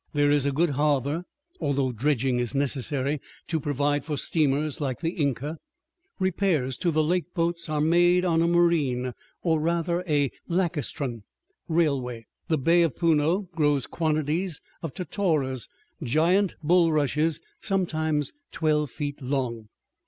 There is a good harbor, although dredging is necessary to provide for steamers like the Inca. Repairs to the lake boats are made on a marine or, rather, a lacustrine railway. The bay of Puno grows quantities of totoras, giant bulrushes sometimes twelve feet long.